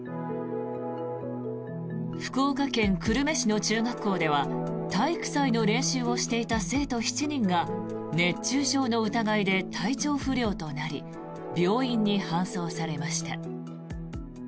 福岡県久留米市の中学校では体育祭の練習をしていた生徒７人が熱中症の疑いで体調不良となり病院に搬送されました。